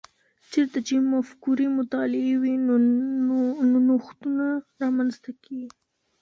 چیرته چي مفکورې مطالعې وي، نو نوښتونه رامنځته کیږي؟